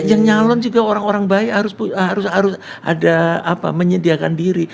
yang nyalon juga orang orang baik harus ada menyediakan diri